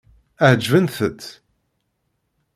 Ɛeǧbent-t?